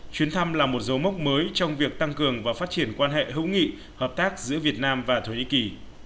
chuyến thăm là một dấu mốc mới trong việc tăng cường và phát triển quan hệ hữu nghị hợp tác giữa việt nam và thổ nhĩ kỳ